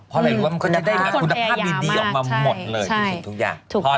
เพราะถือหาคุณภาพไวดีออกมาหมดเลยทุกสิ่งทุกอย่าง